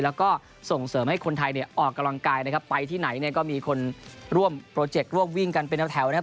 แล้วก็ส่งเสริมให้คนไทยเนี่ยออกกำลังกายนะครับไปที่ไหนเนี่ยก็มีคนร่วมโปรเจกต์ร่วมวิ่งกันเป็นแถวนะครับ